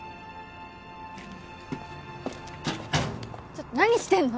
ちょっと何してんの？